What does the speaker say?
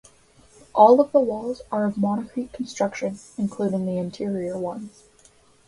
All of the walls are of monocrete construction including interior ones.